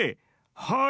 「はい。